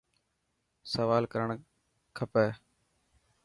سوال ڪرڻ کٽي.